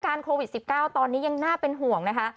โควิด๑๙ตอนนี้ยังน่าเป็นห่วงนะคะ